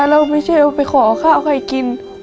เราไม่ใช่เอาไปขอข้าวใครกิน